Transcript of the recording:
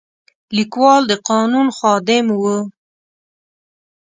لیکوال د قانون خادم و.